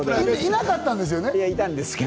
いなかったんですよね。